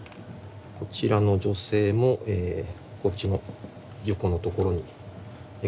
こちらの女性もこっちの横のところに描かれてますね。